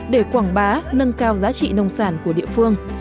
để quảng bá nâng cao giá trị nông sản của địa phương